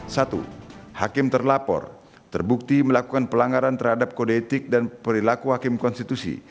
satu hakim terlapor terbukti melakukan pelanggaran terhadap kode etik dan perilaku hakim konstitusi